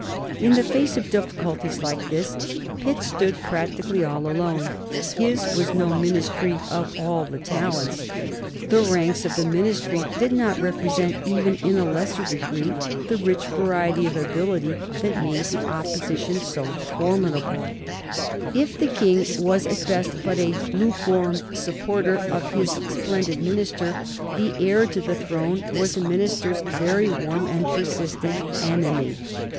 In the face of difficulties like these Pitt stood practically alone. His was no Ministry "of All the Talents;" the ranks of the Ministry did not represent, even in a lesser degree, the rich variety of ability that made the Opposition so formidable. [Sidenote: 1788 Prince George Augustus Frederick] If the King was at best but a lukewarm supporter of his splendid minister, the heir to the throne was the minister's very warm and persistent enemy.